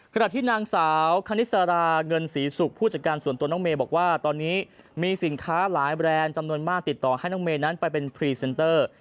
ขณะที่นางสาวคณิสาราเงินศรีศุกร์ผู้จัดการส่วนตัวน้องเมย์บอกว่าตอนนี้มีสินค้าหลายแบรนด์จำนวนมากติดต่อให้น้องเมย์นั้นไปเป็นพรีเซนเตอร์